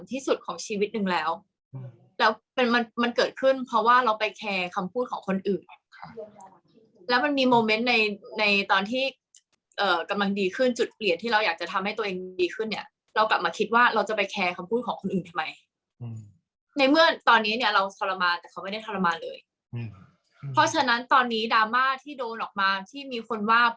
ที่สุดของชีวิตหนึ่งแล้วแล้วมันมันเกิดขึ้นเพราะว่าเราไปแคร์คำพูดของคนอื่นแล้วมันมีโมเมนต์ในในตอนที่กำลังดีขึ้นจุดเปลี่ยนที่เราอยากจะทำให้ตัวเองดีขึ้นเนี่ยเรากลับมาคิดว่าเราจะไปแคร์คำพูดของคนอื่นทำไมในเมื่อตอนนี้เนี่ยเราทรมานแต่เขาไม่ได้ทรมานเลยเพราะฉะนั้นตอนนี้ดราม่าที่โดนออกมาที่มีคนว่า